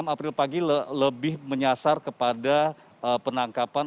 dua puluh enam april pagi lebih menyasar kepada penangkapan